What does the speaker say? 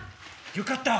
よかった！